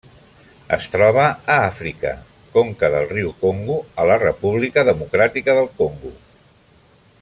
Es troba a Àfrica: conca del riu Congo a la República Democràtica del Congo.